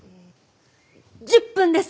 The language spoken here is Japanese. １０分です。